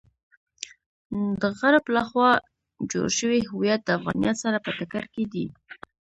د غرب لخوا جوړ شوی هویت د افغانیت سره په ټکر کې دی.